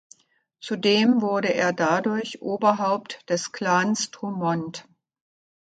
Zudem wurde er dadurch Oberhaupt des Clans Drummond.